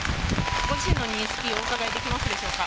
ご自身の認識、お伺いできますでしょうか。